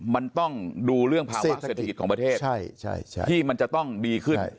มันต้องดูเรื่องภาวะเศรษฐกิจของประเทศที่มันจะต้องดีขึ้น